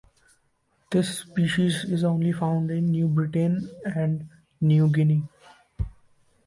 This species is only found in New Britain and New Guinea.